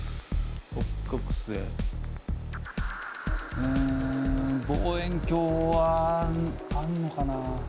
うん望遠鏡はあんのかな？